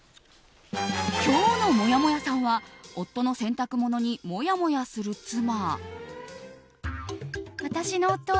今日のもやもやさんは夫の洗濯物にもやもやする妻。